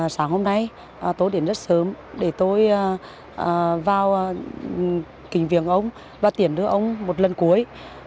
sáng hôm nay tôi đến rất sớm để tôi vào kính viếng ông và tiễn đưa ông một lần cuối